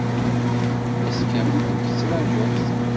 Ass kamel nekk ttṛajuɣ-t.